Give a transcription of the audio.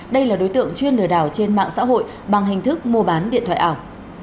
đây là đối tượng chuyên lừa đảo trên mạng xã hội bằng hình thức mua bán điện thoại ảo